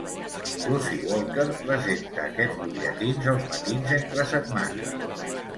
Lucy Walker presenta aquests butlletins els matins entre setmana.